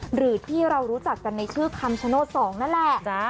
หรือที่เรารู้จักกันในชื่อคำชโนธ๒นั่นแหละ